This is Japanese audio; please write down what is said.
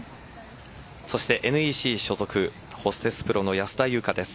そしてＮＥＣ所属ホステスプロの安田祐香です。